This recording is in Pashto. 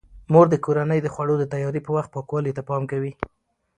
مور د کورنۍ د خوړو د تیاري په وخت پاکوالي ته پام کوي.